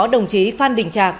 đồng chí phan đình trạc